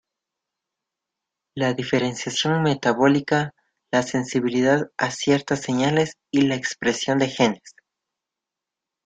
La diferenciación metabólica, la sensibilidad a ciertas señales y la expresión de genes.